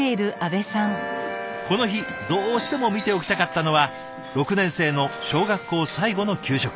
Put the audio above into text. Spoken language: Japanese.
この日どうしても見ておきたかったのは６年生の小学校最後の給食。